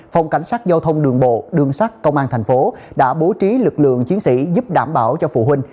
phòng cảnh sát giao thông đường bộ đường sát công an tp đã bố trí lực lượng chiến sĩ giúp đảm bảo cho phụ huynh